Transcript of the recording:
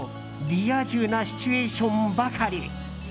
リア充なシチュエーションばかり。